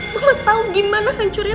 mama tau gimana hancurnya